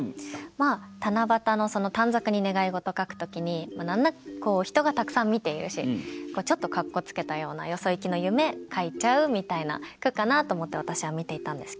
まあ七夕の短冊に願い事書く時に人がたくさん見ているしちょっとかっこつけたようなよそいきの夢書いちゃうみたいな句かなと思って私は見ていたんですけど。